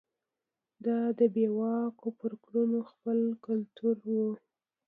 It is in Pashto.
دا د بې واکو پرګنو خپل کلتور و.